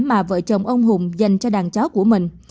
mà vợ chồng ông hùng dành cho đàn chó của mình